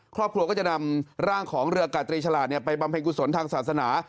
ครอบครัวก็จะนำร่างของเรือกาตรีฉลาดไปบำเพ็ญกุศลทางศาสนา